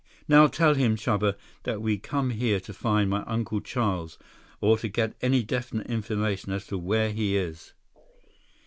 "Now tell him, Chuba, that we come here to find my Uncle Charles, or to get any definite information as to where he is."